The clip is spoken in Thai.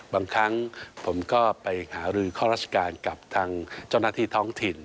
บางครั้งผมก็ไปหารือข้อราชการกับทางเจ้าหน้าที่ท้องถิ่น